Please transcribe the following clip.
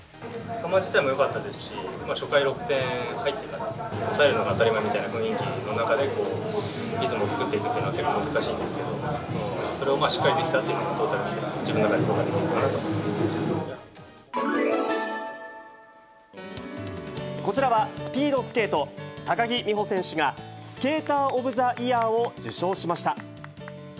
球自体もよかったですし、初回に６点入ってるから、抑えるのが当たり前みたいな雰囲気の中で、リズムを作っていくっていうのは結構難しいんですけど、それをしっかりできたというのがトータルして自分の中で評価できこちらはスピードスケート、高木美帆選手が、スケーター・オブ・ザ・イヤーを受賞しました。